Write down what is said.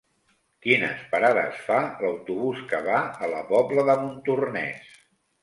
Quines parades fa l'autobús que va a la Pobla de Montornès?